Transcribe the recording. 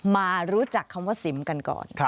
มารู้จักคำว่าสิมกันก่อน